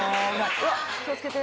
うわ気を付けて。